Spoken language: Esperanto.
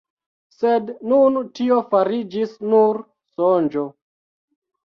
Sed nun tio fariĝis nur sonĝo.